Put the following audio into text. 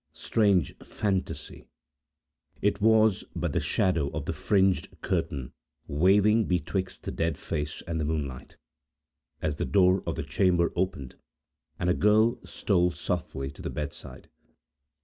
Strange fantasy! It was but the shadow of the fringed curtain, waving betwixt the dead face and the moonlight, as the door of the chamber opened, and a girl stole softly to the bedside.